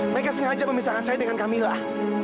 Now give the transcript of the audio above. mereka sengaja memisahkan saya dengan kamilah